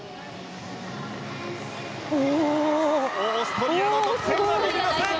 オーストリアの得点が伸びません。